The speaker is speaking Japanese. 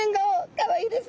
かわいいです。